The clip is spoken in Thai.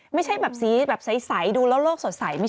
ไม่ใช่แบบสีแบบใสดูแล้วโลกสดใส